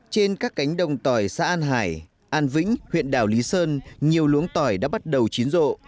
trên các cánh đồng tỏi xã an hải an vĩnh huyện đảo lý sơn nhiều luống tỏi đã bắt đầu chín rộ